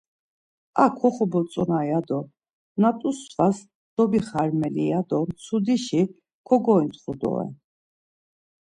Ar koxobotzona ya do na t̆u svas dobixarmeli ya do mtsudişi kogointxu doren.